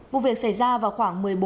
vụ việc xảy ra vào khoảng một mươi bốn h